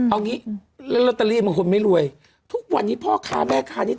เอางี้แล้วลอตเตอรี่บางคนไม่รวยทุกวันนี้พ่อค้าแม่ค้านี้